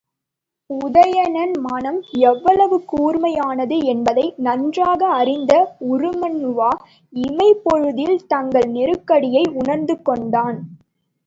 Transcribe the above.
உதயணன் மனம் எவ்வளவு கூர்மையானது என்பதை நன்றாக அறிந்திருந்த உருமண்ணுவா இமைப் பொழுதில் தங்கள் நெருக்கடியை உணர்ந்துகொண்டான்.